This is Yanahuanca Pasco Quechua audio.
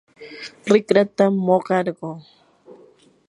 rikratam muqakurquu.